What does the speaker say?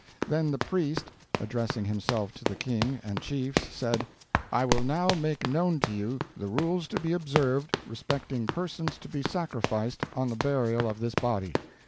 "Then the priest, addressing himself to the King and chiefs, said: 'I will now make known to you the rules to be observed respecting persons to be sacrificed on the burial of this body.